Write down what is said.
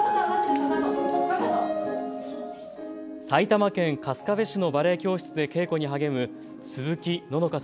埼玉県春日部市のバレエ教室で稽古に励む鈴木希々